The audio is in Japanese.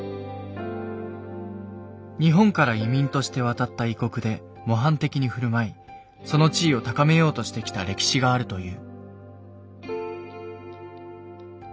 日本から移民として渡った異国で模範的に振る舞いその地位を高めようとしてきた歴史があるという。